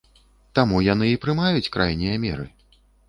Таму яны і прымаюць крайнія меры.